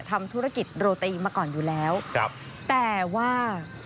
ทำธุรกิจโรตีมาก่อนอยู่แล้วครับแต่ว่า